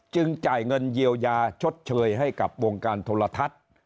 จ่ายเงินเยียวยาชดเชยให้กับวงการโทรทัศน์